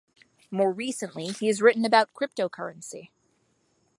More recently, he has written about cryptocurrency.